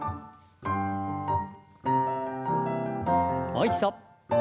もう一度。